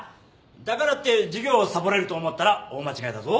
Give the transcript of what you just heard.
だからって授業をサボれると思ったら大間違いだぞ。